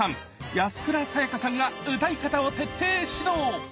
安倉さやかさんが歌い方を徹底指導！